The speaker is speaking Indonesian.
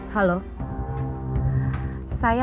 kalau ini sudah terserah